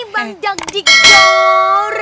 bang duk dikjor